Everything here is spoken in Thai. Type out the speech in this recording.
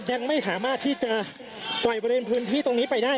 ยังไม่สามารถที่จะปล่อยบริเวณพื้นที่ตรงนี้ไปได้